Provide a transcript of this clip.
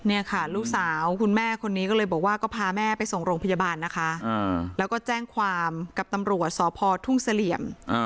เนี่ยค่ะลูกสาวคุณแม่คนนี้ก็เลยบอกว่าก็พาแม่ไปส่งโรงพยาบาลนะคะแล้วก็แจ้งความกับตำรวจสพทุ่งเสลี่ยม